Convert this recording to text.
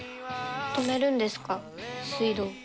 止めるんですか、水道。